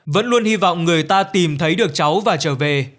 vẫn luôn hy vọng người ta tìm thấy được cháu và trở về